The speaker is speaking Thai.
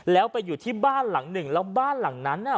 แล้วไปอยู่ที่บ้านหลังหนึ่งแล้วบ้านหลังนั้นน่ะ